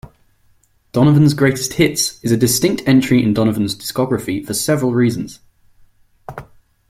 "Donovan's Greatest Hits" is a distinct entry in Donovan's discography for several reasons.